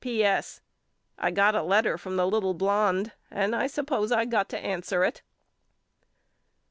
P. S. I got a letter from the little blonde and I suppose I got to answer it.